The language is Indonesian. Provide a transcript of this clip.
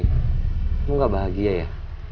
kamu gak bahagia ya